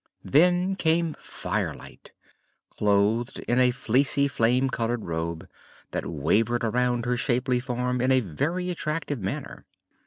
Then came Firelight, clothed in a fleecy flame colored robe that wavered around her shapely form in a very attractive manner.